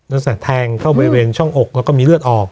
ตั้งแต่แทงเข้าบริเวณช่องอกแล้วก็มีเลือดออก